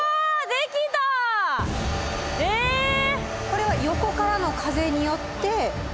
これは横からの風によって。